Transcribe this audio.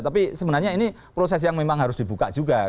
tapi sebenarnya ini proses yang memang harus dibuka juga